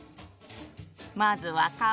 まずは皮。